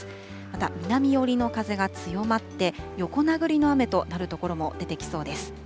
また南寄りの風が強まって、横殴りの雨となる所も出てきそうです。